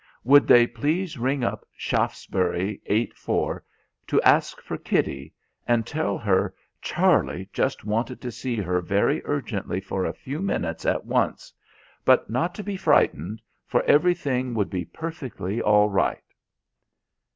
Would they please ring up Shaftesbury 84 to ask for "Kitty" and tell her "Charlie" just wanted to see her very urgently for a few minutes at once, but not to be frightened, for everything would be perfectly all right?